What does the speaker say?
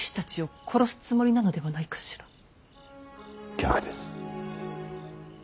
逆です。